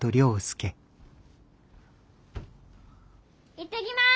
いってきます！